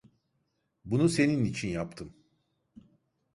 Bunu senin için yaptım.